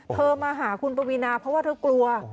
มาหาคุณปวีนาเพราะว่าเธอกลัว